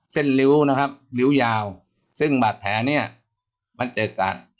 ริ้วนะครับริ้วยาวซึ่งบาดแผลเนี่ยมันเจอกัน